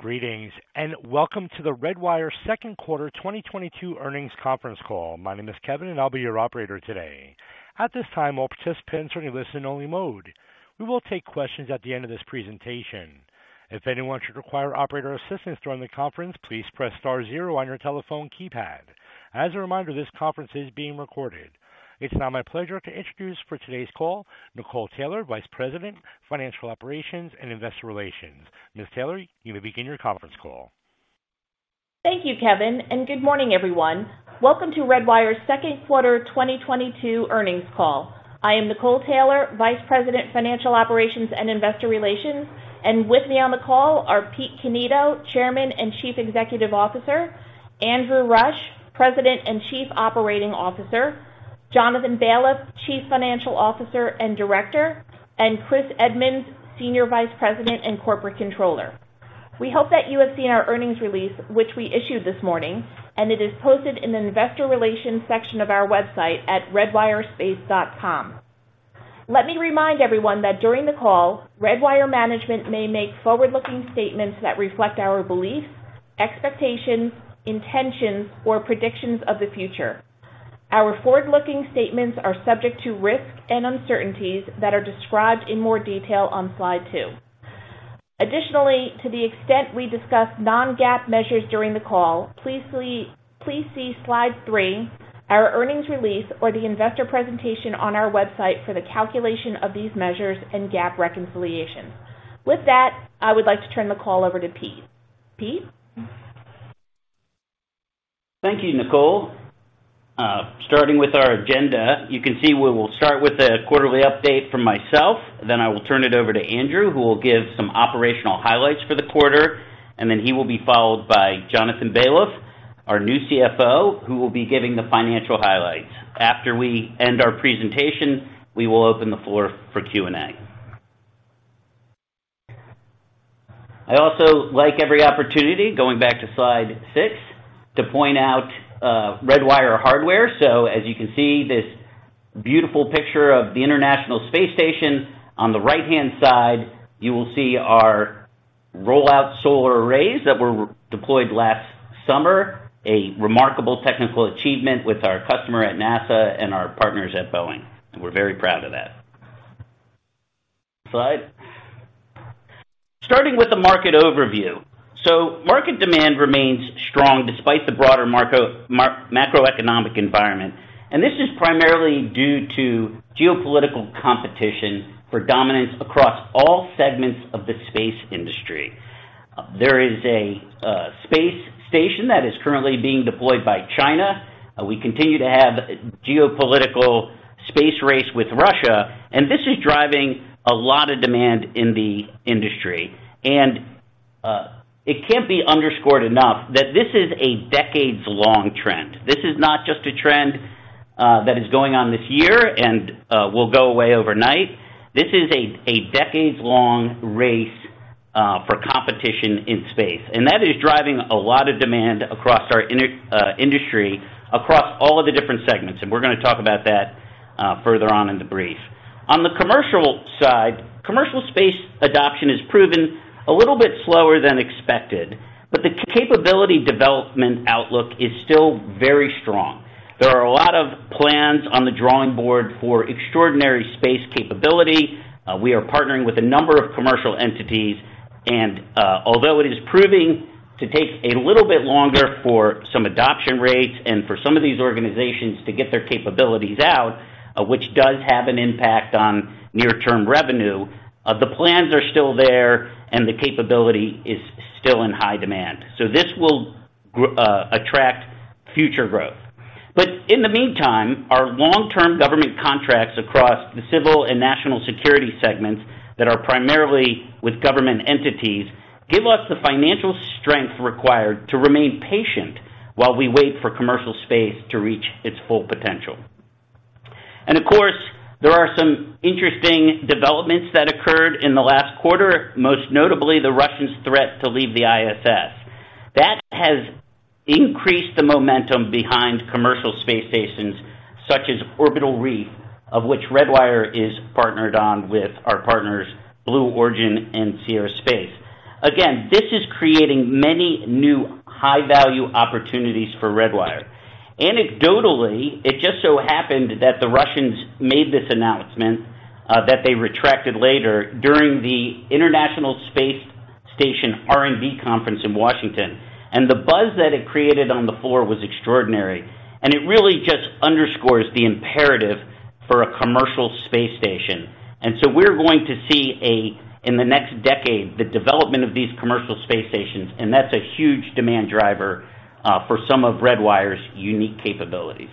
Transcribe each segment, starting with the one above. Greetings, and welcome to the Redwire second quarter 2022 earnings conference call. My name is Kevin and I'll be your operator today. At this time, all participants are in a listen only mode. We will take questions at the end of this presentation. If anyone should require operator assistance during the conference, please press star zero on your telephone keypad. As a reminder, this conference is being recorded. It's now my pleasure to introduce for today's call Nicole Taylor, Vice President, Financial Operations and Investor Relations. Ms. Taylor, you may begin your conference call. Thank you, Kevin, and good morning, everyone. Welcome to Redwire's second quarter 2022 earnings call. I am Nicole Taylor, Vice President, Financial Operations and Investor Relations, and with me on the call are Pete Cannito, Chairman and Chief Executive Officer, Andrew Rush, President and Chief Operating Officer, Jonathan Baliff, Chief Financial Officer and Director, and Chris Edmunds, Senior Vice President and Corporate Controller. We hope that you have seen our earnings release, which we issued this morning, and it is posted in the investor relations section of our website at redwirespace.com. Let me remind everyone that during the call, Redwire management may make forward-looking statements that reflect our beliefs, expectations, intentions, or predictions of the future. Our forward-looking statements are subject to risks and uncertainties that are described in more detail on slide two. Additionally, to the extent we discuss non-GAAP measures during the call, please see slide three, our earnings release or the investor presentation on our website for the calculation of these measures and GAAP reconciliation. With that, I would like to turn the call over to Pete. Pete? Thank you, Nicole. Starting with our agenda. You can see we will start with a quarterly update from myself. Then I will turn it over to Andrew, who will give some operational highlights for the quarter. He will be followed by Jonathan Baliff, our new CFO, who will be giving the financial highlights. After we end our presentation, we will open the floor for Q&A. I also like every opportunity, going back to slide six, to point out Redwire hardware. So as you can see, this beautiful picture of the International Space Station. On the right-hand side, you will see our Roll-Out Solar Arrays that were deployed last summer. A remarkable technical achievement with our customer at NASA and our partners at Boeing. We're very proud of that. Starting with the market overview. Market demand remains strong despite the broader macroeconomic environment. This is primarily due to geopolitical competition for dominance across all segments of the space industry. There is a space station that is currently being deployed by China. We continue to have geopolitical space race with Russia, and this is driving a lot of demand in the industry. It can't be underscored enough that this is a decades-long trend. This is not just a trend that is going on this year and will go away overnight. This is a decades-long race for competition in space, and that is driving a lot of demand across our industry, across all of the different segments. We're gonna talk about that further on in the brief. On the commercial side, commercial space adoption has proven a little bit slower than expected, but the capability development outlook is still very strong. There are a lot of plans on the drawing board for extraordinary space capability. We are partnering with a number of commercial entities. And although it is proving to take a little bit longer for some adoption rates and for some of these organizations to get their capabilities out, which does have an impact on near-term revenue, the plans are still there and the capability is still in high demand. So this will attract future growth. But in the meantime, our long-term government contracts across the civil and National Security segments that are primarily with government entities give us the financial strength required to remain patient while we wait for commercial space to reach its full potential. And of course, there are some interesting developments that occurred in the last quarter, most notably the Russians' threat to leave the ISS. That has increased the momentum behind commercial space stations such as Orbital Reef, of which Redwire is partnered on with our partners Blue Origin and Sierra Space. Again, this is creating many new high-value opportunities for Redwire. Anecdotally, it just so happened that the Russians made this announcement that they retracted later during the International Space Station R&D conference in Washington. And the buzz that it created on the floor was extraordinary. And it really just underscores the imperative for a commercial space station. And so we're going to see in the next decade the development of these commercial space stations and that's a huge demand driver for some of Redwire's unique capabilities.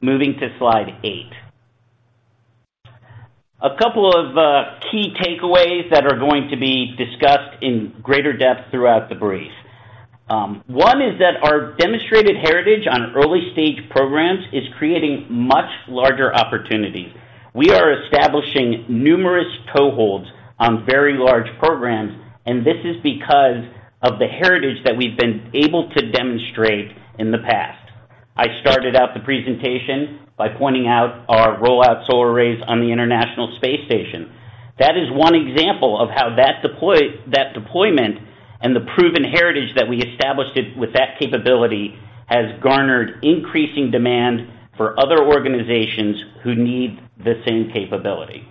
Moving to slide eight. A couple of key takeaways that are going to be discussed in greater depth throughout the brief. One is that our demonstrated heritage on early-stage programs is creating much larger opportunities. We are establishing numerous toeholds on very large programs, and this is because of the heritage that we've been able to demonstrate in the past. I started out the presentation by pointing out our Roll-Out Solar Arrays on the International Space Station. That is one example of how that deployment and the proven heritage that we established it with that capability has garnered increasing demand for other organizations who need the same capability.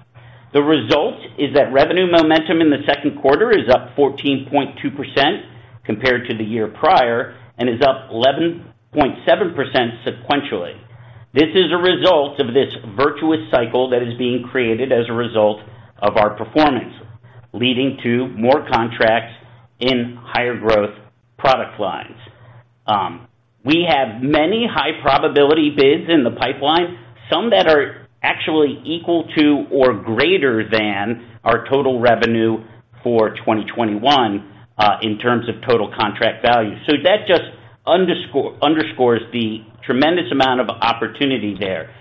The result is that revenue momentum in the second quarter is up 14.2% compared to the year prior, and is up 11.7% sequentially. This is a result of this virtuous cycle that is being created as a result of our performance, leading to more contracts in higher growth product lines. We have many high probability bids in the pipeline, some that are actually equal to or greater than our total revenue for 2021, in terms of total contract value. So that just underscores the tremendous amount of opportunity there.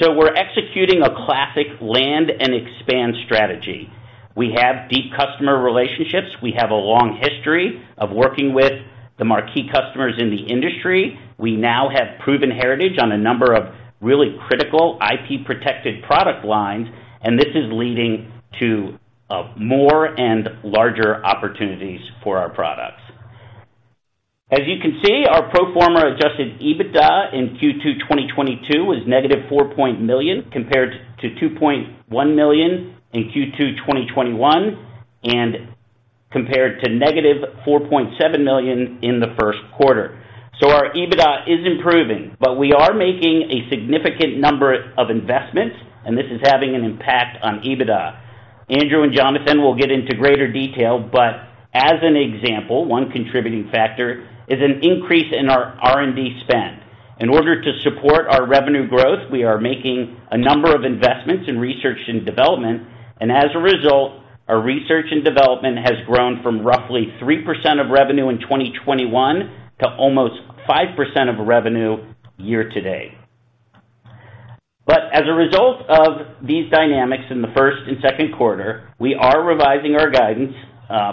We're executing a classic land and expand strategy. We have deep customer relationships. We have a long history of working with the marquee customers in the industry. We now have proven heritage on a number of really critical IP-protected product lines, and this is leading to more and larger opportunities for our products. As you can see, our pro forma Adjusted EBITDA in Q2 2022 was negative $4 million, compared to $2.1 million in Q2 2021, and compared to negative $4.7 million in the first quarter. Our EBITDA is improving, but we are making a significant number of investments, and this is having an impact on EBITDA. Andrew and Jonathan will get into greater detail, but as an example, one contributing factor is an increase in our R&D spend. In order to support our revenue growth, we are making a number of investments in research and development, and as a result, our research and development has grown from roughly 3% of revenue in 2021 to almost 5% of revenue year-to-date. But as a result of these dynamics in the first and second quarter, we are revising our guidance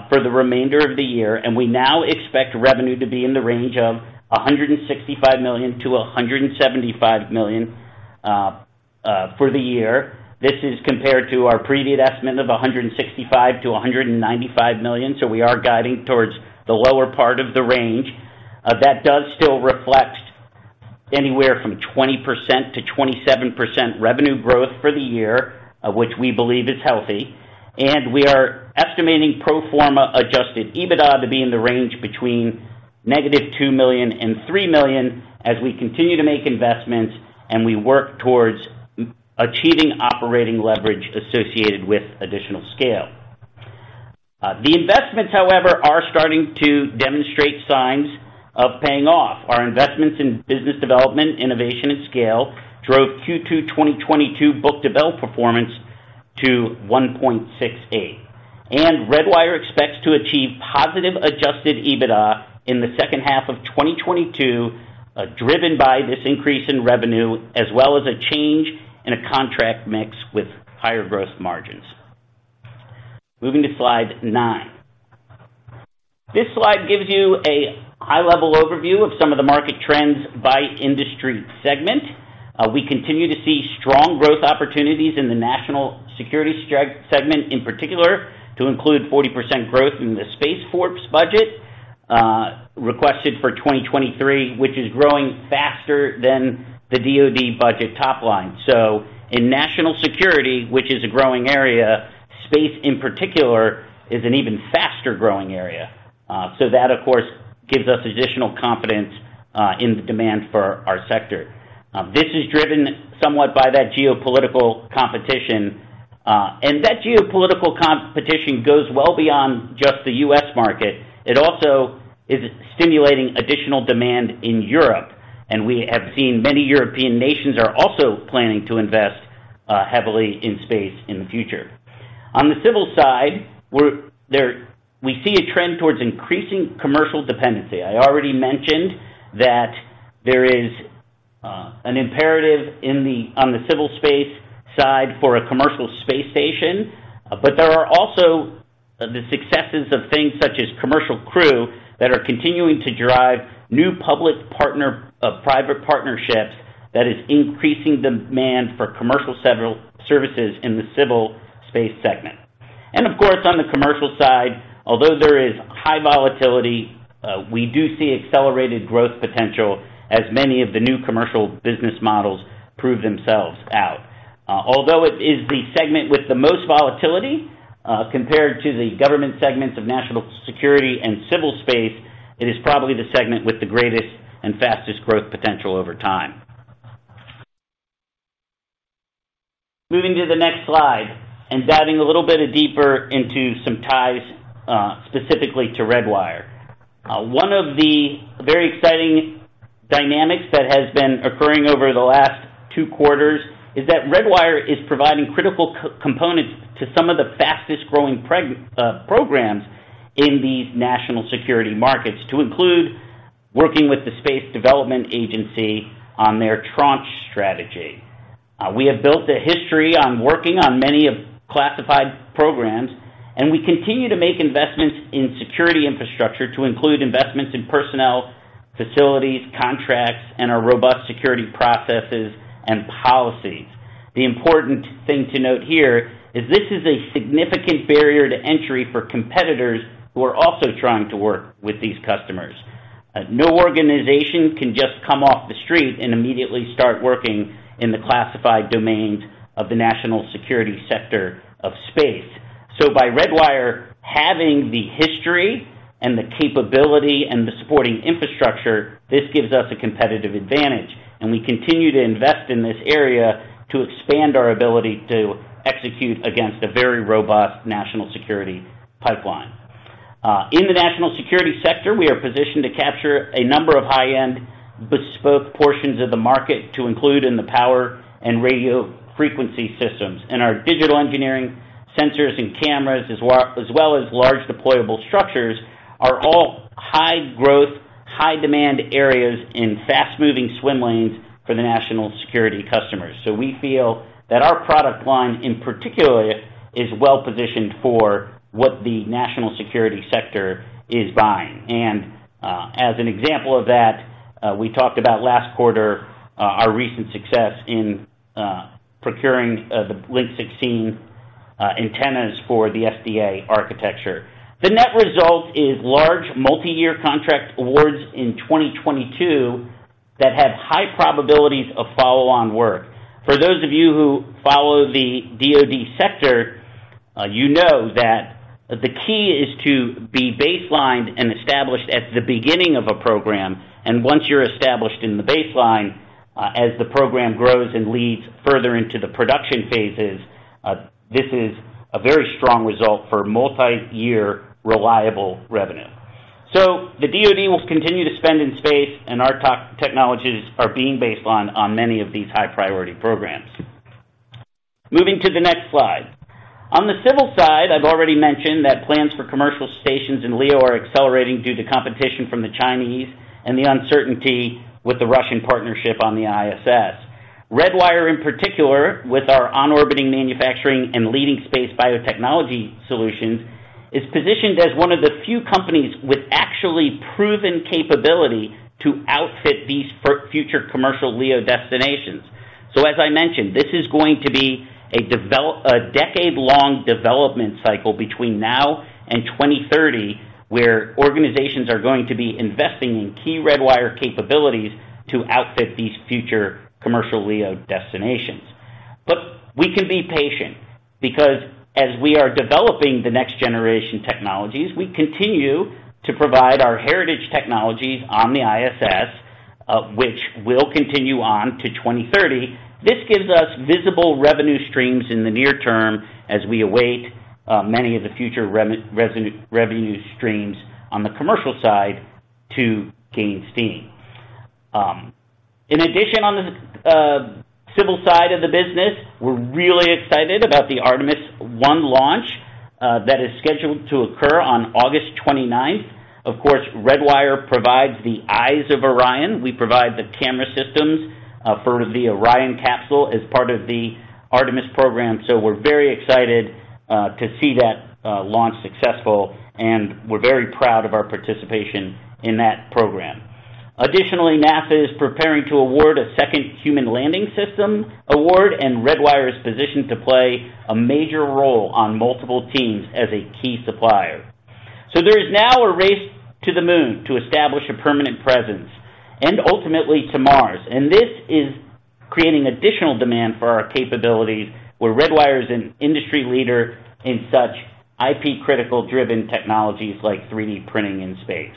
for the remainder of the year, and we now expect revenue to be in the range of $165 million-$175 million for the year. This is compared to our previous estimate of $165 million-$195 million. We are guiding towards the lower part of the range. That does still reflect anywhere from 20%-27% revenue growth for the year, of which we believe is healthy. And we are estimating pro forma adjusted EBITDA to be in the range between negative $2 million and $3 million as we continue to make investments and we work towards achieving operating leverage associated with additional scale. The investments, however, are starting to demonstrate signs of paying off. Our investments in business development, innovation, and scale drove Q2 2022 book-to-bill performance to 1.68. Redwire expects to achieve positive Adjusted EBITDA in the second half of 2022, driven by this increase in revenue as well as a change in a contract mix with higher growth margins. Moving to slide nine. This slide gives you a high-level overview of some of the market trends by industry segment. We continue to see strong growth opportunities in the National Security segment in particular, to include 40% growth in the Space Force budget, requested for 2023, which is growing faster than the DoD budget top line. In National Security, which is a growing area, space, in particular, is an even faster-growing area. That, of course, gives us additional confidence in the demand for our sector. This is driven somewhat by that geopolitical competition. And that geopolitical competition goes well beyond just the U.S. Market. It also is stimulating additional demand in Europe, and we have seen many European nations are also planning to invest heavily in space in the future. On the civil side, we see a trend towards increasing commercial dependency. I already mentioned that there is an imperative on the civil space side for a commercial space station. But there are also the successes of things such as commercial crew that are continuing to drive new public-private partnerships that is increasing demand for commercial space services in the civil space segment. And of course, on the commercial side, although there is high volatility, we do see accelerated growth potential as many of the new commercial business models prove themselves out. Although it is the segment with the most volatility, compared to the Government segments of National Security and Civil Space, it is probably the segment with the greatest and fastest growth potential over time. Moving to the next slide and diving a little bit deeper into some ties, specifically to Redwire. One of the very exciting dynamics that has been occurring over the last two quarters is that Redwire is providing critical components to some of the fastest-growing programs in these National Security markets, to include working with the Space Development Agency on their tranche strategy. We have built a history on working on many classified programs, and we continue to make investments in security infrastructure to include investments in personnel, facilities, contracts, and our robust security processes and policies. The important thing to note here is this is a significant barrier to entry for competitors who are also trying to work with these customers. And no organization can just come off the street and immediately start working in the classified domains of the National Security sector of space. So by Redwire having the history and the capability and the supporting infrastructure, this gives us a competitive advantage, and we continue to invest in this area to expand our ability to execute against a very robust National Security pipeline. In the National Security sector, we are positioned to capture a number of high-end bespoke portions of the market to include in the power and radio frequency systems. Our digital engineering sensors and cameras, as well as large deployable structures, are all high growth, high demand areas in fast-moving swim lanes for the National Security customers. We feel that our product line, in particular, is well-positioned for what the National Security sector is buying. And as an example of that, we talked about last quarter our recent success in procuring the Link 16 antennas for the SDA architecture. The net result is large multi-year contract awards in 2022 that have high probabilities of follow-on work. For those of you who follow the DoD sector, you know that the key is to be baselined and established at the beginning of a program. And once you're established in the baseline, as the program grows and leads further into the production phases, this is a very strong result for multi-year reliable revenue. So the DoD will continue to spend in space, and our technologies are being baseline on many of these high-priority programs. Moving to the next slide. On the civil side, I've already mentioned that plans for commercial stations in LEO are accelerating due to competition from the Chinese and the uncertainty with the Russian partnership on the ISS. Redwire, in particular, with our on-orbiting manufacturing and leading space biotechnology solutions, is positioned as one of the few companies with actually proven capability to outfit these future commercial LEO destinations. As I mentioned, this is going to be a decade-long development cycle between now and 2030, where organizations are going to be investing in key Redwire capabilities to outfit these future commercial LEO destinations. But we can be patient, because as we are developing the next generation technologies, we continue to provide our heritage technologies on the ISS, which will continue on to 2030. This gives us visible revenue streams in the near term as we await many of the future revenue streams on the commercial side to gain steam. In addition, on the civil side of the business, we're really excited about the Artemis I launch that is scheduled to occur on August 29th. Of course, Redwire provides the eyes of Orion. We provide the camera systems for the Orion capsule as part of the Artemis program. We're very excited to see that launch successful, and we're very proud of our participation in that program. Additionally, NASA is preparing to award a Second Human Landing System award, and Redwire is positioned to play a major role on multiple teams as a key supplier. So there is now a race to the Moon to establish a permanent presence and ultimately to Mars. And this is creating additional demand for our capabilities, where Redwire is an industry leader in such IP-critical driven technologies like 3D printing in space.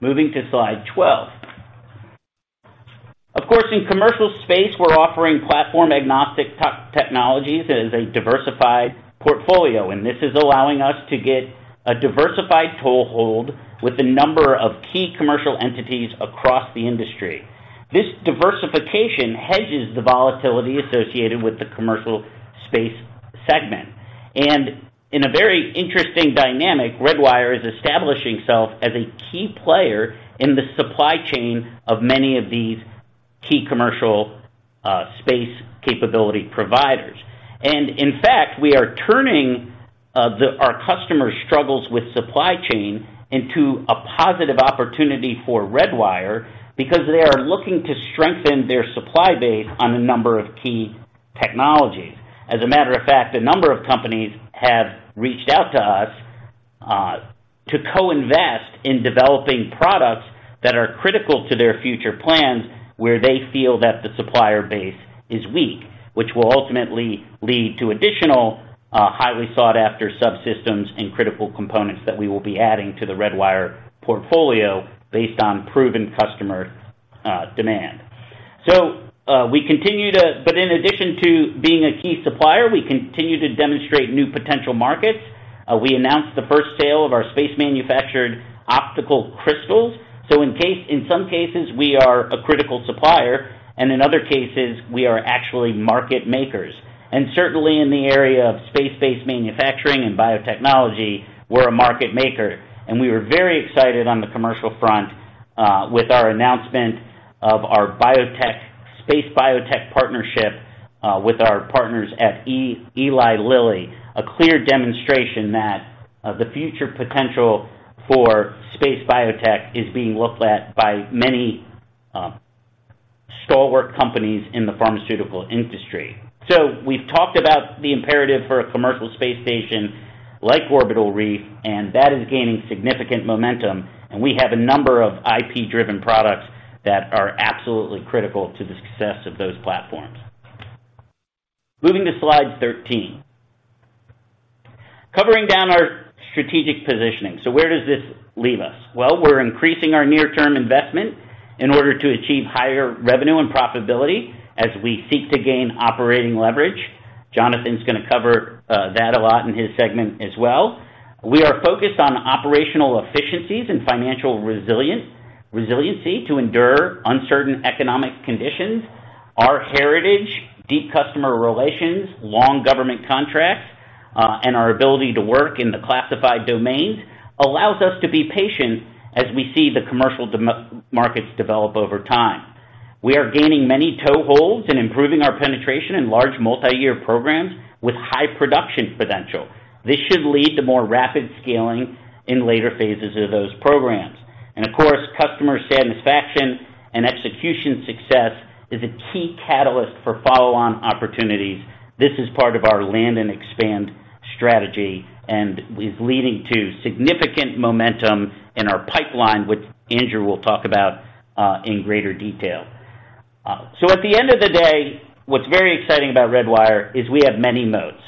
Moving to slide 12. Of course, in commercial space, we're offering platform-agnostic technologies as a diversified portfolio, and this is allowing us to get a diversified toehold with the number of key commercial entities across the industry. This diversification hedges the volatility associated with the Commercial Space segment. And in a very interesting dynamic, Redwire is establishing itself as a key player in the supply chain of many of these key commercial space capability providers. And in fact, we are turning our customers' struggles with supply chain into a positive opportunity for Redwire because they are looking to strengthen their supply base on a number of key technologies. As a matter of fact, a number of companies have reached out to us, to co-invest in developing products that are critical to their future plans, where they feel that the supplier base is weak, which will ultimately lead to additional, highly sought-after subsystems and critical components that we will be adding to the Redwire portfolio based on proven customer, demand. So we continue, but in addition to being a key supplier, we continue to demonstrate new potential markets. We announced the first sale of our space-manufactured optical crystals. So in some cases, we are a critical supplier, and in other cases, we are actually market makers. Certainly, in the area of space-based manufacturing and biotechnology, we're a market maker, and we were very excited on the commercial front with our announcement of our biotech space biotech partnership with our partners at Eli Lilly, a clear demonstration that the future potential for space biotech is being looked at by many stalwart companies in the pharmaceutical industry. We've talked about the imperative for a commercial space station like Orbital Reef, and that is gaining significant momentum, and we have a number of IP-driven products that are absolutely critical to the success of those platforms. Moving to slide 13. Covering down our strategic positioning. Where does this leave us? Well, we're increasing our near-term investment in order to achieve higher revenue and profitability as we seek to gain operating leverage. Jonathan's gonna cover that a lot in his segment as well. We are focused on operational efficiencies and financial resilience, resiliency to endure uncertain economic conditions. Our heritage, deep customer relations, long government contracts, and our ability to work in the classified domains allows us to be patient as we see the commercial markets develop over time. We are gaining many toeholds and improving our penetration in large multi-year programs with high production potential. This should lead to more rapid scaling in later phases of those programs. Of course, customer satisfaction and execution success is a key catalyst for follow-on opportunities. This is part of our land and expand strategy and is leading to significant momentum in our pipeline, which Andrew will talk about in greater detail. So at the end of the day, what's very exciting about Redwire is we have many moats.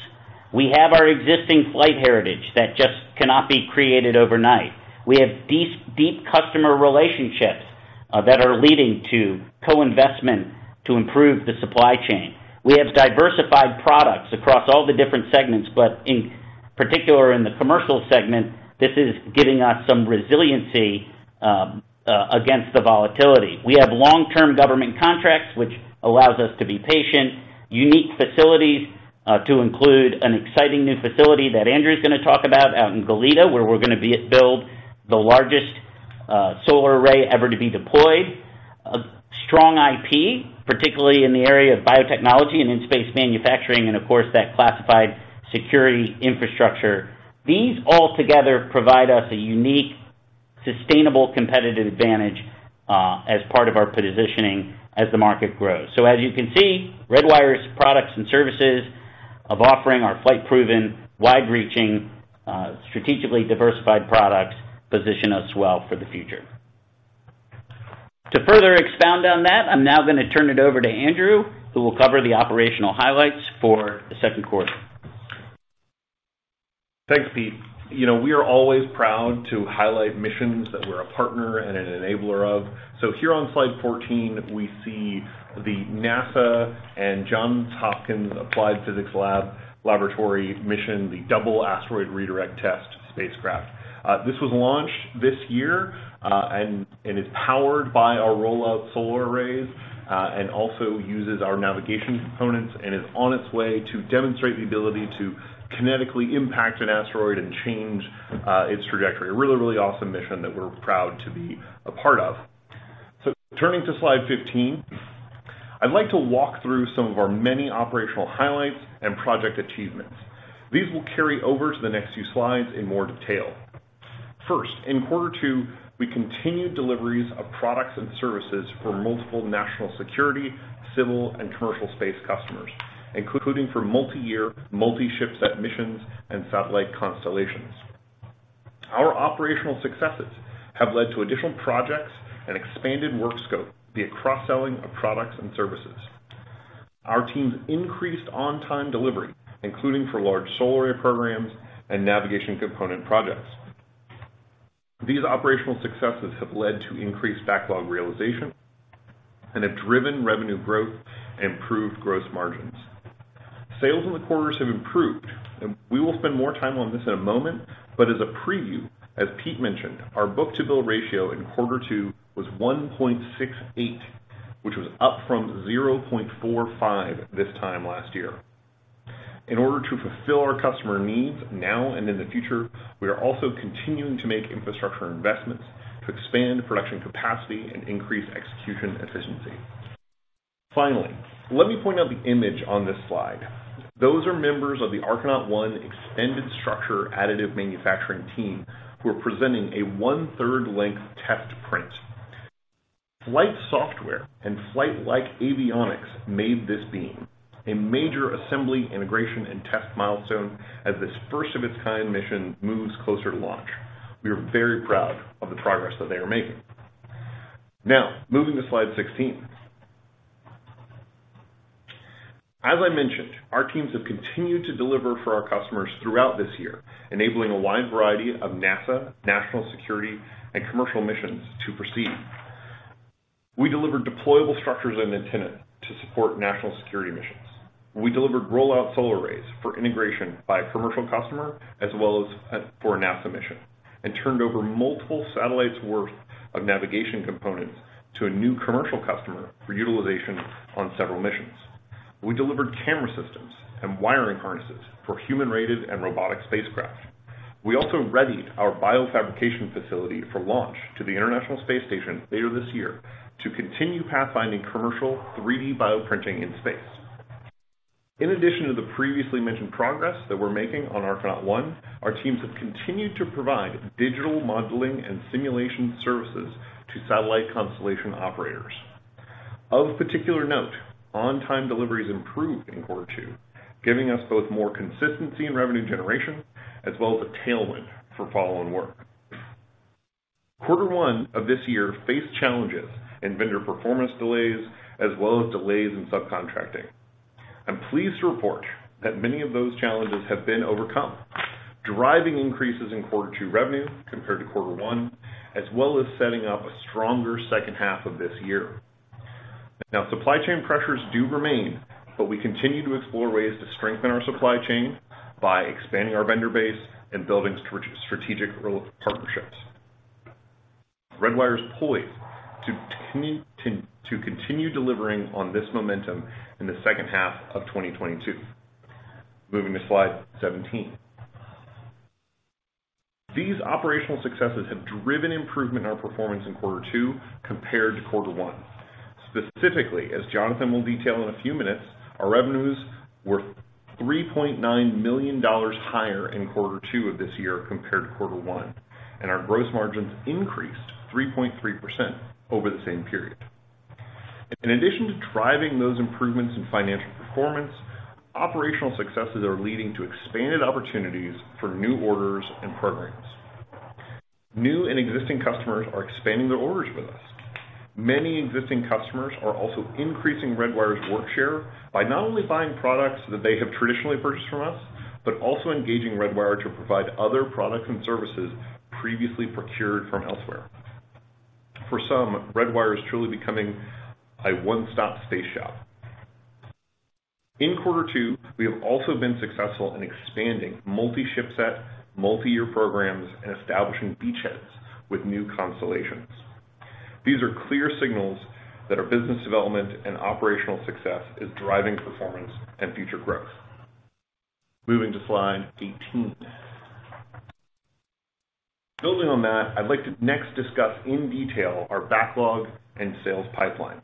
We have our existing flight heritage that just cannot be created overnight. We have deep customer relationships that are leading to co-investment to improve the supply chain. We have diversified products across all the different segments, but in particular, in the commercial segment, this is giving us some resiliency against the volatility. We have long-term government contracts, which allows us to be patient. Unique facilities to include an exciting new facility that Andrew is gonna talk about out in Goleta, where we're gonna build the largest solar array ever to be deployed. A strong IP, particularly in the area of biotechnology and in-space manufacturing, and of course, that classified security infrastructure. These all together provide us a unique, sustainable competitive advantage as part of our positioning as the market grows. As you can see, Redwire's products and services of offering our flight-proven, wide-reaching strategically diversified products position us well for the future. To further expound on that, I'm now gonna turn it over to Andrew, who will cover the operational highlights for the second quarter. Thanks, Pete. You know, we are always proud to highlight missions that we're a partner and an enabler of. Here on slide 14, we see the NASA and Johns Hopkins Applied Physics Laboratory mission, the Double Asteroid Redirection Test spacecraft. This was launched this year, and is powered by our Roll-Out Solar Arrays, and also uses our navigation components and is on its way to demonstrate the ability to kinetically impact an asteroid and change its trajectory. A really, really awesome mission that we're proud to be a part of. Turning to slide 15, I'd like to walk through some of our many operational highlights and project achievements. These will carry over to the next few slides in more detail. First, in quarter two, we continued deliveries of products and services for multiple National Security, Civil, and Commercial Space customers, including for multi-year, multi-ship set missions and satellite constellations. Our operational successes have led to additional projects and expanded work scope via cross-selling of products and services. Our teams increased on-time delivery, including for large solar array programs and navigation component projects. These operational successes have led to increased backlog realization and have driven revenue growth and improved gross margins. Sales in the quarters have improved, and we will spend more time on this in a moment, but as a preview, as Pete mentioned, our book-to-bill ratio in quarter two was 1.68, which was up from 0.45 this time last year. In order to fulfill our customer needs now and in the future, we are also continuing to make infrastructure investments to expand production capacity and increase execution efficiency. Finally, let me point out the image on this slide. Those are members of the Archinaut One expanded structure additive manufacturing team, who are presenting a one-third length test print. Flight software and flight-like avionics made this beam a major assembly, integration, and test milestone as this first of its kind mission moves closer to launch. We are very proud of the progress that they are making. Now, moving to slide 16. As I mentioned, our teams have continued to deliver for our customers throughout this year, enabling a wide variety of NASA, National Security, and Commercial missions to proceed. We delivered deployable structures and antenna to support National Security missions. We delivered Roll-Out Solar Arrays for integration by a commercial customer, as well as for a NASA mission, and turned over multiple satellites worth of navigation components to a new commercial customer for utilization on several missions. We delivered camera systems and wiring harnesses for human-rated and robotic spacecraft. We also readied our BioFabrication Facility for launch to the International Space Station later this year to continue pathfinding commercial 3D bioprinting in space. In addition to the previously mentioned progress that we're making on Archinaut One, our teams have continued to provide digital modeling and simulation services to satellite constellation operators. Of particular note, on-time deliveries improved in quarter two, giving us both more consistency in revenue generation as well as a tailwind for follow-on work. Quarter one of this year faced challenges in vendor performance delays, as well as delays in subcontracting. I'm pleased to report that many of those challenges have been overcome, driving increases in quarter two revenue compared to quarter one, as well as setting up a stronger second half of this year. Now, supply chain pressures do remain, but we continue to explore ways to strengthen our supply chain by expanding our vendor base and building strategic partnerships. Redwire is poised to continue delivering on this momentum in the second half of 2022. Moving to slide 17. These operational successes have driven improvement in our performance in quarter two compared to quarter one. Specifically, as Jonathan will detail in a few minutes, our revenues were $3.9 million higher in quarter two of this year compared to quarter one, and our gross margins increased 3.3% over the same period. In addition to driving those improvements in financial performance, operational successes are leading to expanded opportunities for new orders and programs. New and existing customers are expanding their orders with us. Many existing customers are also increasing Redwire's workshare by not only buying products that they have traditionally purchased from us, but also engaging Redwire to provide other products and services previously procured from elsewhere. For some, Redwire is truly becoming a one-stop space shop. In quarter two, we have also been successful in expanding multi-ship set, multi-year programs, and establishing beachheads with new constellations. These are clear signals that our business development and operational success is driving performance and future growth. Moving to slide 18. Building on that, I'd like to next discuss in detail our backlog and sales pipeline.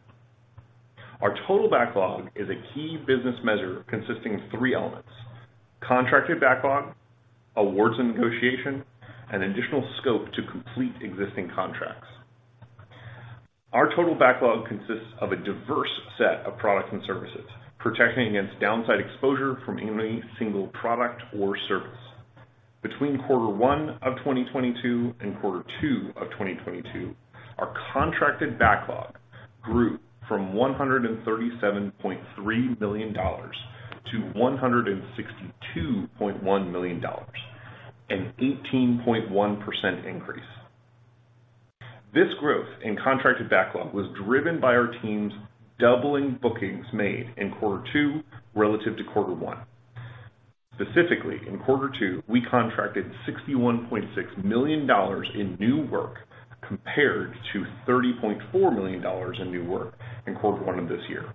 Our total backlog is a key business measure consisting of three elements, contracted backlog, awards and negotiation, and additional scope to complete existing contracts. Our total backlog consists of a diverse set of products and services, protecting against downside exposure from any single product or service. Between quarter one of 2022 and quarter two of 2022, our contracted backlog grew from $137.3 million to $162.1 million, an 18.1% increase. This growth in contracted backlog was driven by our teams doubling bookings made in quarter two relative to quarter one. Specifically, in quarter two, we contracted $61.6 million in new work compared to $30.4 million in new work in quarter one of this year.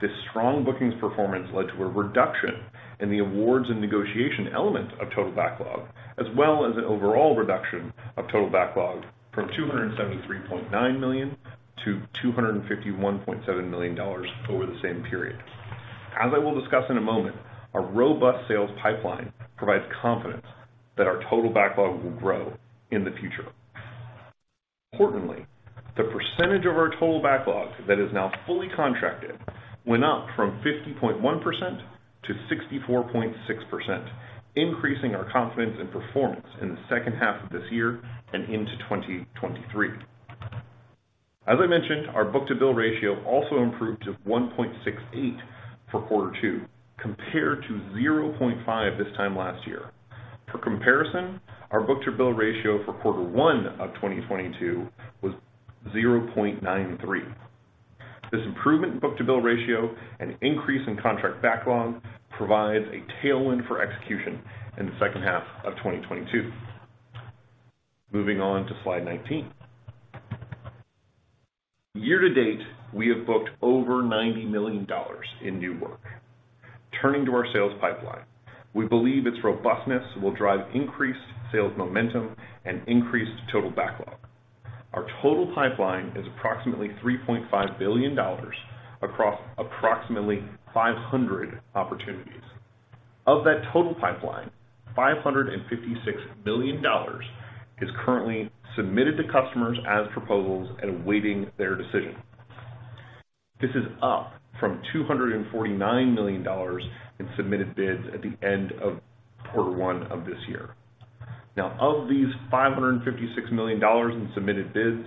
This strong bookings performance led to a reduction in the awards and negotiation element of total backlog, as well as an overall reduction of total backlog from $273.9 million to $251.7 million over the same period. As I will discuss in a moment, our robust sales pipeline provides confidence that our total backlog will grow in the future. Importantly, the percentage of our total backlog that is now fully contracted went up from 50.1% to 64.6%, increasing our confidence in performance in the second half of this year and into 2023. As I mentioned, our book-to-bill ratio also improved to 1.68 for quarter two, compared to 0.5 this time last year. For comparison, our book-to-bill ratio for quarter one of 2022 was 0.93. This improvement in book-to-bill ratio and increase in contract backlog provides a tailwind for execution in the second half of 2022. Moving on to slide 19. Year-to-date, we have booked over $90 million in new work. Turning to our sales pipeline, we believe its robustness will drive increased sales momentum and increased total backlog. Our total pipeline is approximately $3.5 billion across approximately 500 opportunities. Of that total pipeline, $556 million is currently submitted to customers as proposals and awaiting their decision. This is up from $249 million in submitted bids at the end of quarter one of this year. Now, of these $556 million in submitted bids,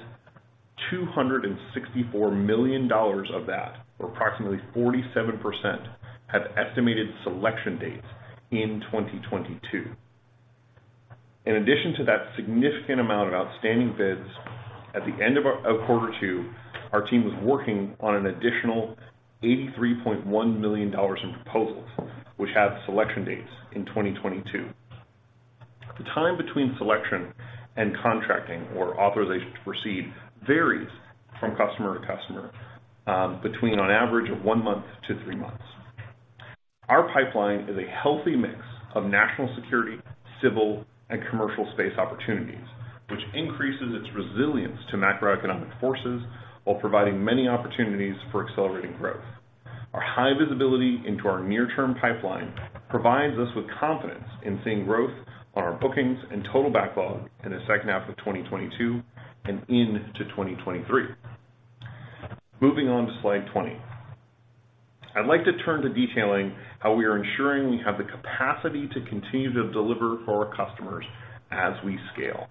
$264 million of that, or approximately 47%, have estimated selection dates in 2022. In addition to that significant amount of outstanding bids, at the end of quarter two, our team was working on an additional $83.1 million in proposals which have selection dates in 2022. The time between selection and contracting or authorization to proceed varies from customer to customer, between on average of one month to three months. Our pipeline is a healthy mix of National Security, Civil and Commercial Space opportunities, which increases its resilience to macroeconomic forces while providing many opportunities for accelerating growth. Our high visibility into our near term pipeline provides us with confidence in seeing growth on our bookings and total backlog in the second half of 2022 and into 2023. Moving on to slide 20. I'd like to turn to detailing how we are ensuring we have the capacity to continue to deliver for our customers as we scale.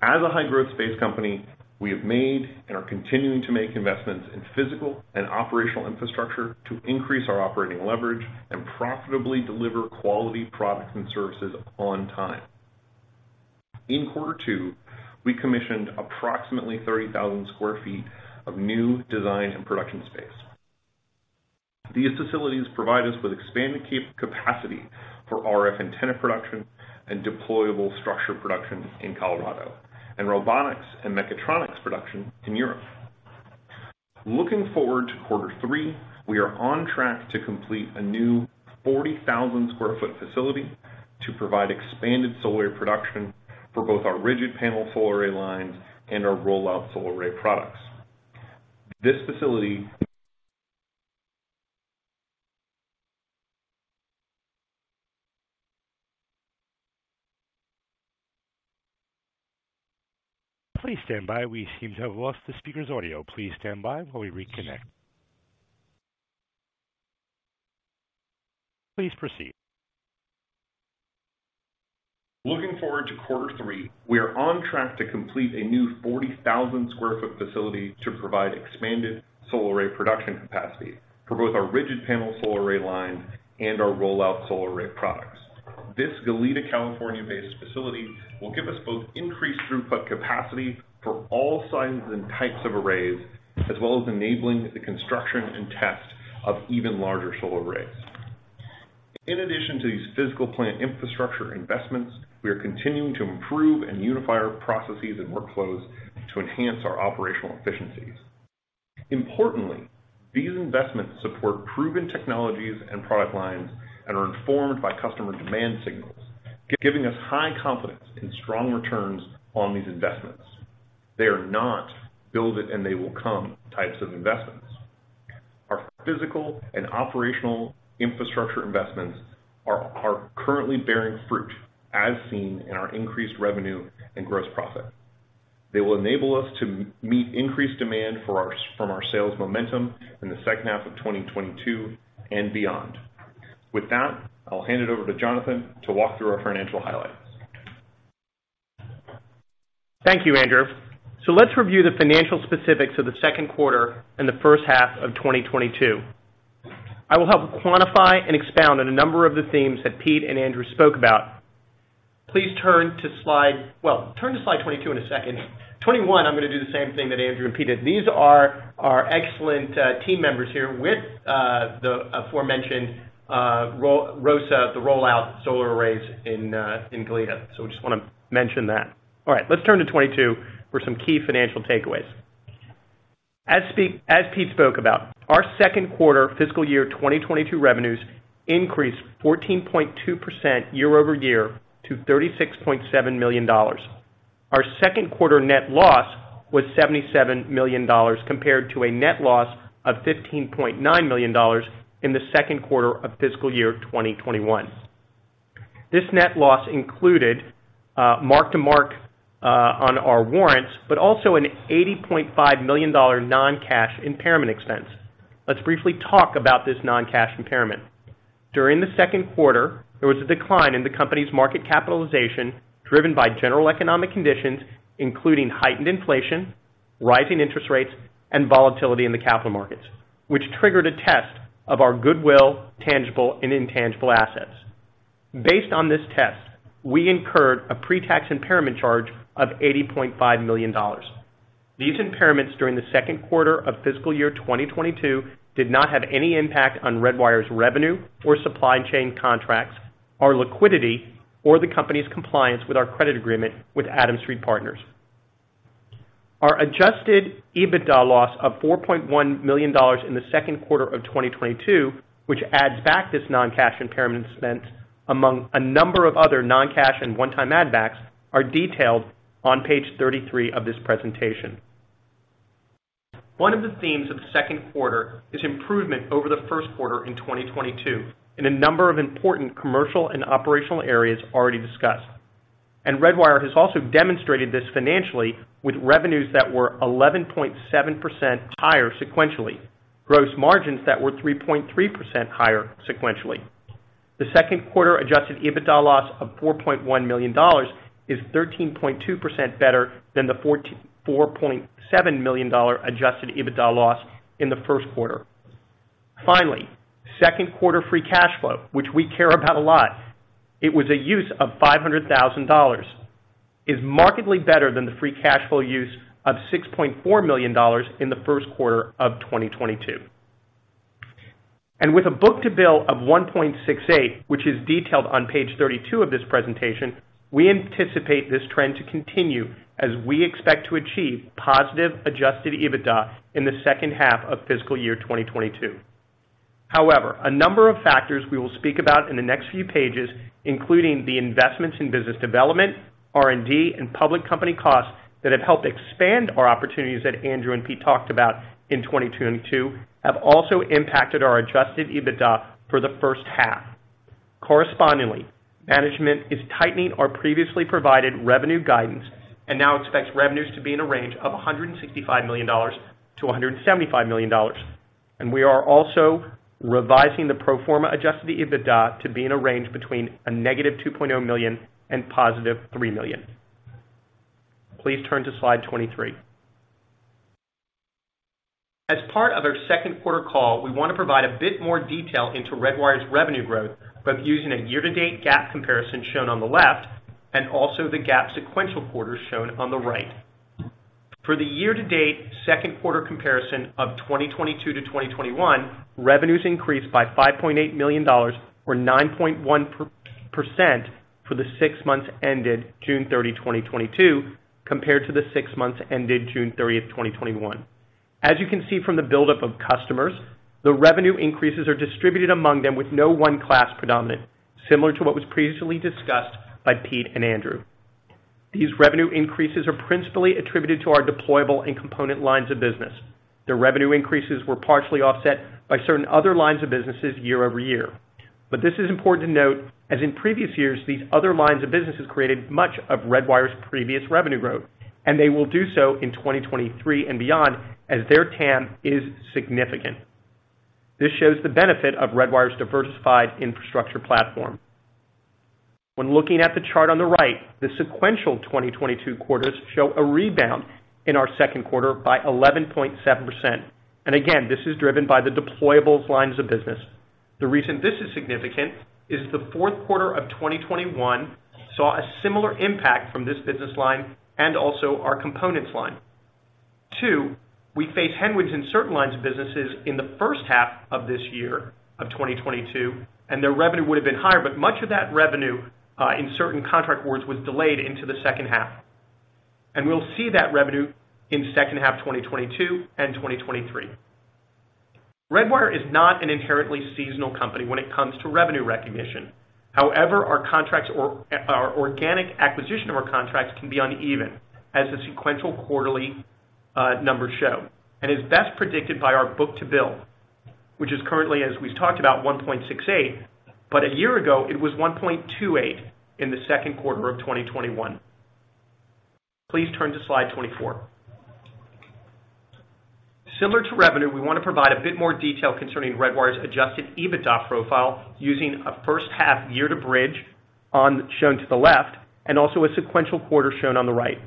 As a high growth space company, we have made and are continuing to make investments in physical and operational infrastructure to increase our operating leverage and profitably deliver quality products and services on time. In quarter two, we commissioned approximately 30,000 sq ft of new design and production space. These facilities provide us with expanded capacity for RF antenna production and deployable structure production in Colorado, and robotics and mechatronics production in Europe. Looking forward to quarter three, we are on track to complete a new 40,000 sq ft facility to provide expanded solar production for both our rigid panel solar array lines and our Roll-Out Solar Array products. This facility Please stand by. We seem to have lost the speaker's audio. Please stand by while we reconnect. Please proceed. Looking forward to quarter three, we are on track to complete a new 40,000 sq ft facility to provide expanded solar array production capacity for both our Rigid Panel Solar Array lines and our Roll-Out Solar Array products. This Goleta, California-based facility will give us both increased throughput capacity for all sizes and types of arrays, as well as enabling the construction and test of even larger solar arrays. In addition to these physical plant infrastructure investments, we are continuing to improve and unify our processes and workflows to enhance our operational efficiencies. Importantly, these investments support proven technologies and product lines and are informed by customer demand signals, giving us high confidence in strong returns on these investments. They are not build it and they will come types of investments. Our physical and operational infrastructure investments are currently bearing fruit as seen in our increased revenue and gross profit. They will enable us to meet increased demand from our sales momentum in the second half of 2022 and beyond. With that, I'll hand it over to Jonathan to walk through our financial highlights. Thank you, Andrew. So let's review the financial specifics of the second quarter and the first half of 2022. I will help quantify and expound on a number of the themes that Pete and Andrew spoke about. Please turn to slide. Well, turn to slide 22 in a second. 21, I'm gonna do the same thing that Andrew and Pete did. These are our excellent team members here with the aforementioned ROSA, the Roll-Out Solar Arrays in Goleta. Just wanna mention that. All right, let's turn to 22 for some key financial takeaways. As Pete spoke about, our second quarter fiscal year 2022 revenues increased 14.2% year-over-year to $36.7 million. Our second quarter net loss was $77 million compared to a net loss of $15.9 million in the second quarter of fiscal year 2021. This net loss included mark-to-market on our warrants, but also an $80.5 million non-cash impairment expense. Let's briefly talk about this non-cash impairment. During the second quarter, there was a decline in the company's market capitalization driven by general economic conditions, including heightened inflation, rising interest rates, and volatility in the capital markets, which triggered a test of our goodwill, tangible and intangible assets. Based on this test, we incurred a pre-tax impairment charge of $80.5 million. These impairments during the second quarter of fiscal year 2022 did not have any impact on Redwire's revenue or supply chain contracts, our liquidity, or the company's compliance with our credit agreement with Adams Street Partners. Our adjusted EBITDA loss of $4.1 million in the second quarter of 2022, which adds back this non-cash impairment expense among a number of other non-cash and one-time add backs, are detailed on page 33 of this presentation. One of the themes of the second quarter is improvement over the first quarter in 2022 in a number of important commercial and operational areas already discussed. And Redwire has also demonstrated this financially with revenues that were 11.7% higher sequentially. Gross margins that were 3.3% higher sequentially. The second quarter Adjusted EBITDA loss of $4.1 million is 13.2% better than the $44.7 million Adjusted EBITDA loss in the first quarter. Finally, second quarter free cash flow, which we care about a lot, it was a use of $500,000, is markedly better than the free cash flow use of $6.4 million in the first quarter of 2022. With a book-to-bill of 1.68, which is detailed on page 32 of this presentation, we anticipate this trend to continue as we expect to achieve positive Adjusted EBITDA in the second half of fiscal year 2022. However, a number of factors we will speak about in the next few pages, including the investments in business development, R&D, and public company costs that have helped expand our opportunities that Andrew and Pete talked about in 2022, have also impacted our Adjusted EBITDA for the first half. Correspondingly, management is tightening our previously provided revenue guidance and now expects revenues to be in a range of $165 million-$175 million. And we are also revising the pro forma adjusted EBITDA to be in a range between a negative $2.0 million and $3 million. Please turn to slide 23. As part of our second quarter call, we want to provide a bit more detail into Redwire's revenue growth, both using a year-to-date GAAP comparison shown on the left and also the GAAP sequential quarter shown on the right. For the year-to-date second quarter comparison of 2022 to 2021, revenues increased by $5.8 million or 9.1% for the six months ended June 30, 2022, compared to the six months ended June 30th, 2021. As you can see from the buildup of customers, the revenue increases are distributed among them with no one class predominant, similar to what was previously discussed by Pete and Andrew. These revenue increases are principally attributed to our deployable and component lines of business. The revenue increases were partially offset by certain other lines of businesses year-over-year. But this is important to note, as in previous years, these other lines of businesses created much of Redwire's previous revenue growth, and they will do so in 2023 and beyond as their TAM is significant. This shows the benefit of Redwire's diversified infrastructure platform. When looking at the chart on the right, the sequential 2022 quarters show a rebound in our second quarter by 11.7%. Again, this is driven by the deployables lines of business. The reason this is significant is the fourth quarter of 2021 saw a similar impact from this business line and also our components line. Two, we face headwinds in certain lines of businesses in the first half of this year of 2022, and their revenue would have been higher, but much of that revenue in certain contract awards was delayed into the second half. We'll see that revenue in second half 2022 and 2023. Redwire is not an inherently seasonal company when it comes to revenue recognition. However, our contracts, or our organic acquisition of our contracts, can be uneven as the sequential quarterly numbers show and is best predicted by our book-to-bill, which is currently, as we've talked about, 1.68, but a year ago, it was 1.28 in the second quarter of 2021. Please turn to slide 24. Similar to revenue, we want to provide a bit more detail concerning Redwire's Adjusted EBITDA profile using a first half year bridge shown to the left, and also a sequential quarter shown on the right.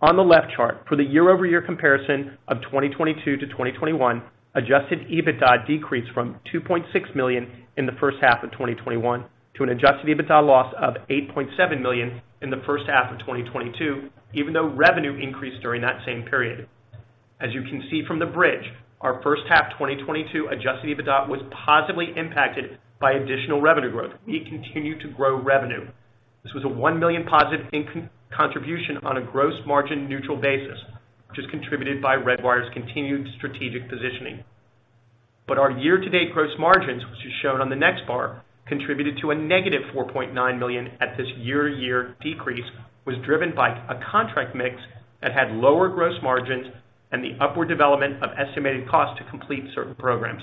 On the left chart, for the year-over-year comparison of 2022 to 2021, Adjusted EBITDA decreased from $2.6 million in the first half of 2021 to an Adjusted EBITDA loss of $8.7 million in the first half of 2022, even though revenue increased during that same period. As you can see from the bridge, our first half 2022 Adjusted EBITDA was positively impacted by additional revenue growth. We continue to grow revenue. This was a $1 million positive contribution on a gross margin neutral basis, which is contributed by Redwire's continued strategic positioning. But our year-to-date gross margins, which is shown on the next bar, contributed to a negative $4.9 million and this year-over-year decrease was driven by a contract mix that had lower gross margins and the upward development of estimated cost to complete certain programs.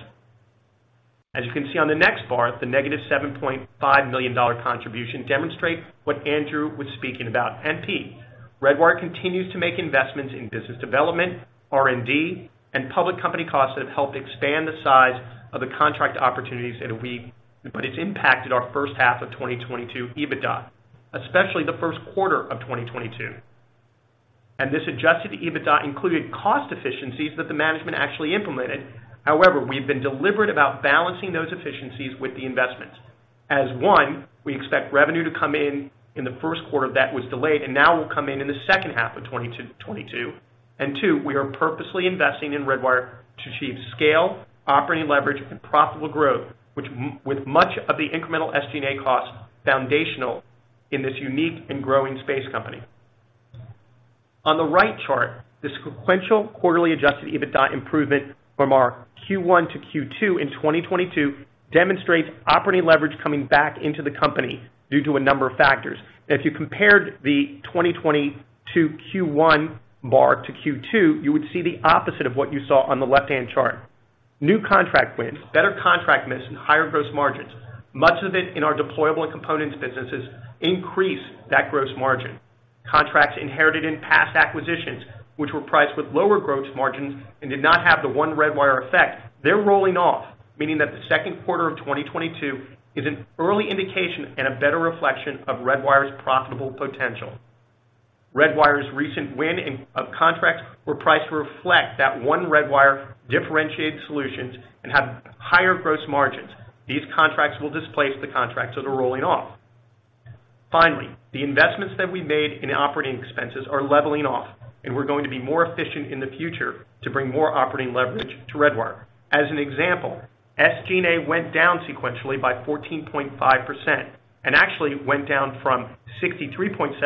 As you can see on the next bar, the negative $7.5 million contribution demonstrates what Andrew was speaking about, and Pete. Redwire continues to make investments in business development, R&D, and public company costs that have helped expand the size of the contract opportunities but it's impacted our first half of 2022 EBITDA, especially the first quarter of 2022. And this Adjusted EBITDA included cost efficiencies that the management actually implemented. However, we've been deliberate about balancing those efficiencies with the investments. As one, we expect revenue to come in in the first quarter that was delayed and now will come in in the second half of 2022. And two, we are purposely investing in Redwire to achieve scale, operating leverage, and profitable growth, which with much of the incremental SG&A costs foundational in this unique and growing space company. On the right chart, the sequential quarterly Adjusted EBITDA improvement from our Q1 to Q2 in 2022 demonstrates operating leverage coming back into the company due to a number of factors. If you compared the 2022 Q1 bar to Q2, you would see the opposite of what you saw on the left-hand chart. New contract wins, better contract mix, and higher gross margins, much of it in our deployable and components businesses, increase that gross margin. Contracts inherited in past acquisitions, which were priced with lower gross margins and did not have the one Redwire effect, they're rolling off, meaning that the second quarter of 2022 is an early indication and a better reflection of Redwire's profitable potential. Redwire's recent win of contracts were priced to reflect that one Redwire differentiated solutions and have higher gross margins. These contracts will displace the contracts that are rolling off. Finally, the investments that we made in operating expenses are leveling off, and we're going to be more efficient in the future to bring more operating leverage to Redwire. As an example, SG&A went down sequentially by 14.5% and actually went down from 63.7%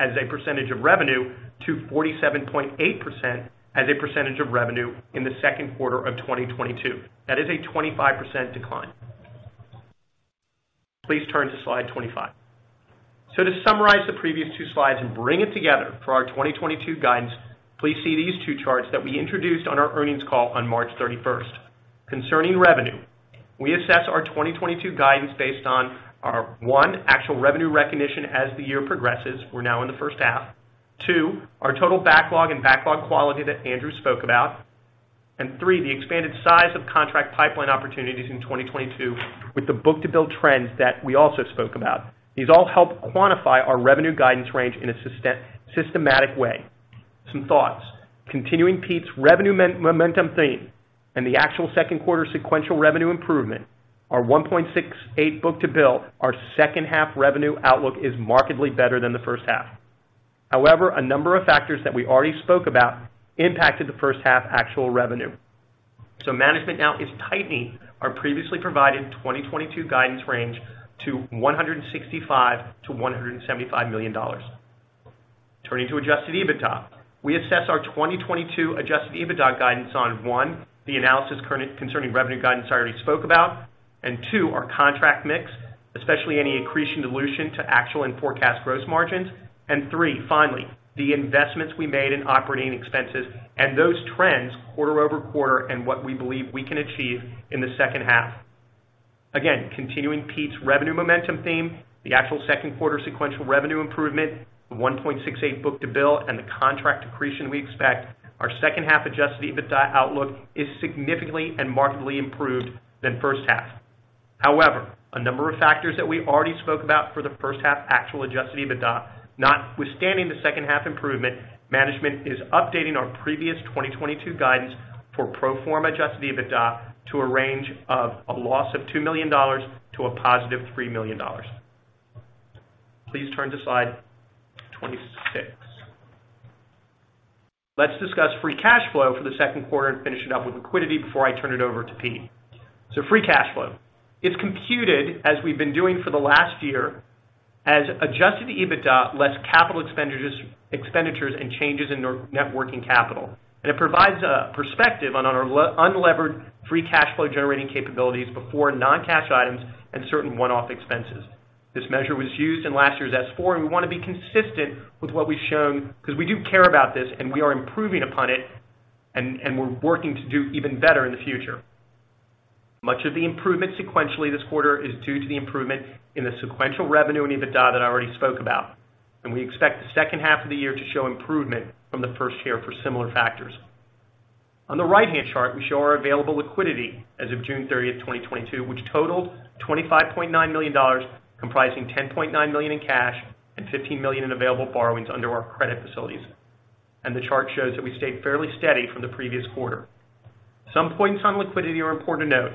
as a percentage of revenue to 47.8% as a percentage of revenue in the second quarter of 2022. That is a 25% decline. Please turn to slide 25. To summarize the previous two slides and bring it together for our 2022 guidance, please see these two charts that we introduced on our earnings call on March 31st. Concerning revenue, we assess our 2022 guidance based on our, one, actual revenue recognition as the year progresses, we're now in the first half. Two, our total backlog and backlog quality that Andrew spoke about. And three, the expanded size of contract pipeline opportunities in 2022 with the book-to-bill trends that we also spoke about. These all help quantify our revenue guidance range in a systematic way. Some thoughts. Continuing Pete's revenue momentum theme and the actual second quarter sequential revenue improvement, our 1.68 book-to-bill, our second half revenue outlook is markedly better than the first half. However, a number of factors that we already spoke about impacted the first half actual revenue. So management now is tightening our previously provided 2022 guidance range to $165 million-$175 million. Turning to Adjusted EBITDA, we assess our 2022 Adjusted EBITDA guidance on one, the analysis concerning revenue guidance I already spoke about. And two, our contract mix, especially any accretion dilution to actual and forecast gross margins. And three, finally, the investments we made in operating expenses and those trends quarter-over-quarter and what we believe we can achieve in the second half. Again, continuing Pete's revenue momentum theme, the actual second quarter sequential revenue improvement, the 1.68 book-to-bill, and the contract accretion we expect, our second half Adjusted EBITDA outlook is significantly and markedly improved than first half. However, a number of factors that we already spoke about for the first half actual Adjusted EBITDA, notwithstanding the second half improvement, management is updating our previous 2022 guidance for pro forma adjusted EBITDA to a range of a loss of $2 million to a positive $3 million. Please turn to slide 26. Let's discuss free cash flow for the second quarter and finish it up with liquidity before I turn it over to Pete. So Free cash flow. It's computed, as we've been doing for the last year, as Adjusted EBITDA less capital expenditures and changes in net working capital. It provides a perspective on our unlevered free cash flow generating capabilities before non-cash items and certain one-off expenses. This measure was used in last year's S-4, and we wanna be consistent with what we've shown because we do care about this, and we are improving upon it, and we're working to do even better in the future. Much of the improvement sequentially this quarter is due to the improvement in the sequential revenue and EBITDA that I already spoke about. We expect the second half of the year to show improvement from the first year for similar factors. On the right-hand chart, we show our available liquidity as of June 30, 2022, which totaled $25.9 million, comprising $10.9 million in cash and $15 million in available borrowings under our credit facilities. The chart shows that we stayed fairly steady from the previous quarter. Some points on liquidity are important to note.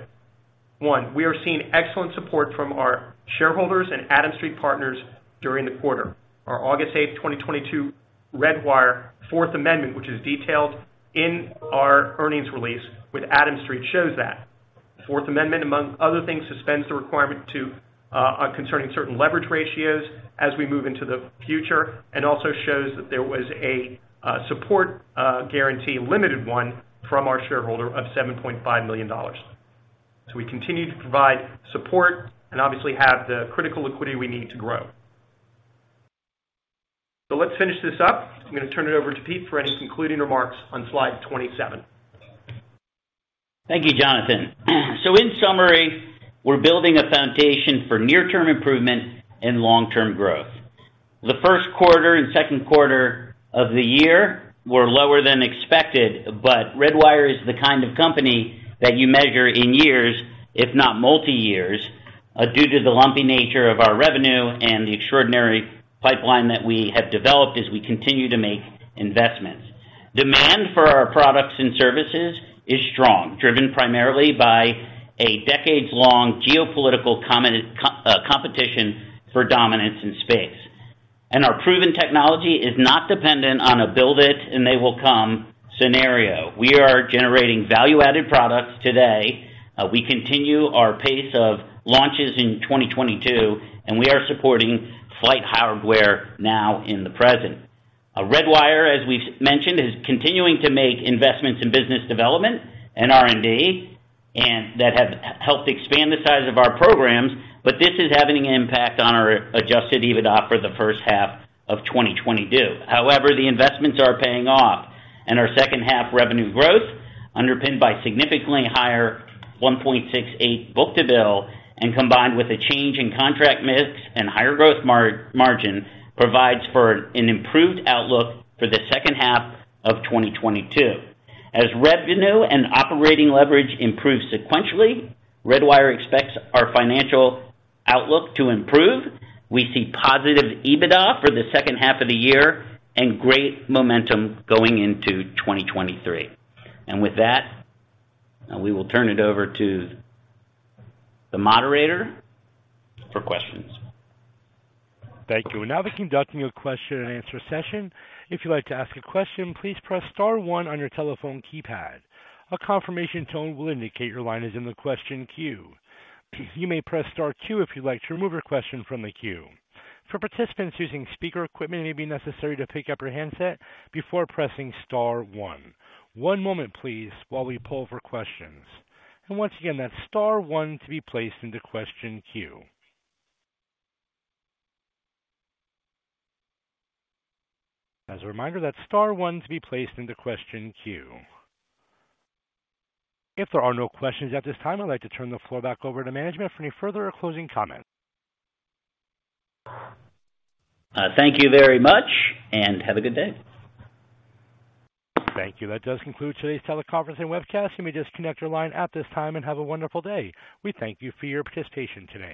One, we are seeing excellent support from our shareholders and Adams Street Partners during the quarter. Our August 8, 2022 Redwire fourth amendment, which is detailed in our earnings release with Adams Street, shows that. The fourth amendment, among other things, suspends the requirement to on concerning certain leverage ratios as we move into the future and also shows that there was a support guarantee, limited one, from our shareholder of $7.5 million. We continue to provide support and obviously have the critical liquidity we need to grow. Let's finish this up. I'm gonna turn it over to Pete for any concluding remarks on slide 27. Thank you, Jonathan. In summary, we're building a foundation for near-term improvement and long-term growth. The first quarter and second quarter of the year were lower than expected, but Redwire is the kind of company that you measure in years, if not multi-years, due to the lumpy nature of our revenue and the extraordinary pipeline that we have developed as we continue to make investments. Demand for our products and services is strong, driven primarily by a decades-long geopolitical competition for dominance in space. Our proven technology is not dependent on a build it and they will come scenario. We are generating value-added products today. We continue our pace of launches in 2022, and we are supporting flight hardware now in the present. Redwire, as we've mentioned, is continuing to make investments in business development and R&D, and that have helped expand the size of our programs, but this is having an impact on our Adjusted EBITDA for the first half of 2022. However, the investments are paying off, and our second half revenue growth, underpinned by significantly higher 1.68 book-to-bill and combined with a change in contract mix and higher growth margin, provides for an improved outlook for the second half of 2022. As revenue and operating leverage improve sequentially, Redwire expects our financial outlook to improve. We see positive EBITDA for the second half of the year and great momentum going into 2023. With that, we will turn it over to the moderator for questions. Thank you. We're now conducting a question and answer session. If you'd like to ask a question, please press star one on your telephone keypad. A confirmation tone will indicate your line is in the question queue. You may press star two if you'd like to remove your question from the queue. For participants using speaker equipment, it may be necessary to pick up your handset before pressing star one. One moment, please, while we poll for questions. Once again, that's star one to be placed into question queue. As a reminder, that's star one to be placed into question queue. If there are no questions at this time, I'd like to turn the floor back over to management for any further or closing comments. Thank you very much, and have a good day. Thank you. That does conclude today's teleconference and webcast. You may disconnect your line at this time, and have a wonderful day. We thank you for your participation today.